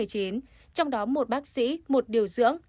trong đó một bác sĩ một điều dưỡng